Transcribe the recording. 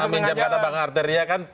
kalau menjam kata bang arteria kan